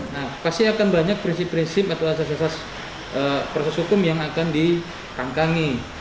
nah pasti akan banyak prinsip prinsip atau asas asas proses hukum yang akan dikangkangi